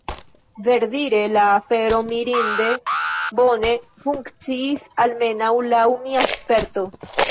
Verdire la afero mirinde bone funkciis, almenaŭ laŭ mia sperto.